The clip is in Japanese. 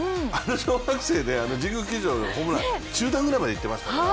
小学生で神宮球場のホームラン中段ぐらいまでいってましたから、